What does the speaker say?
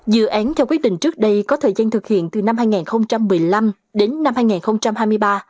dự án theo quyết định trước đây có thời gian thực hiện từ năm hai nghìn một mươi năm đến năm hai nghìn hai mươi ba